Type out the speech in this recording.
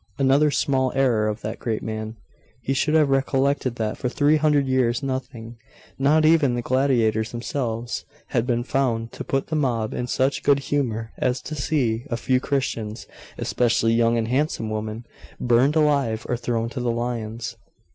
'Another small error of that great man. He should have recollected that for three hundred years nothing, not even the gladiators themselves, had been found to put the mob in such good humour as to see a few Christians, especially young and handsome women, burned alive, or thrown to the lions.